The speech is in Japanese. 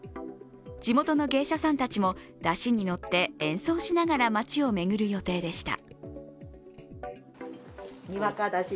地元の芸者さんたちも山車に乗って演奏しながら街を巡る予定でした。